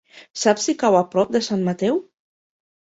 Saps si cau a prop de Sant Mateu?